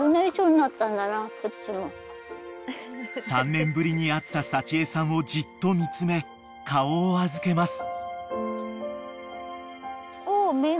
［３年ぶりに会った幸枝さんをじっと見つめ顔を預けます］